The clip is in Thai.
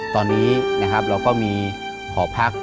ตอนนี้เราก็มีหเอาหพัก